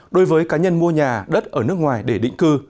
đối với cá nhân mua nhà đất ở nước ngoài để định cư